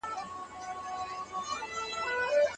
روبوټونه په خطرناکو سیمو کې د ماینونو د ایستلو دنده ترسره کوي.